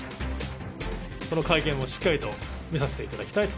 この会見をしっかりと見させていただきたいと。